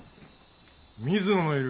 水野のいる